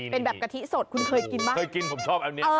เป็นแบบกะทิสดคุณเคยกินบ้าง